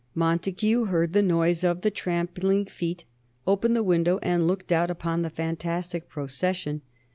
Montague heard the noise of the trampling feet, opened the window and looked out upon the fantastic procession.